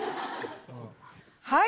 はい！